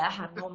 tahun el dobran